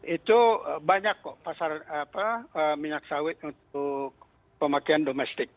itu banyak kok pasar minyak sawit untuk pemakaian domestik